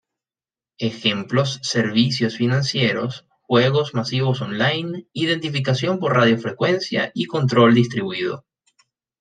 Ejemplos servicios financieros, juegos masivos online, Identificación por radiofrecuencia y control distribuido.